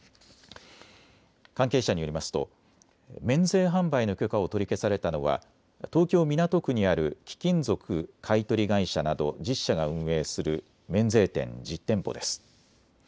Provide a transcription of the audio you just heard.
関係者によりますと免税販売の許可を取り消されたのは東京港区にある貴金属買い取り会社など１０社が運営する免税店１０店舗です。